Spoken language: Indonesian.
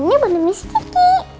ini buat miss kiki